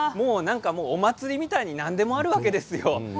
お祭りみたいに何でもあるわけですね。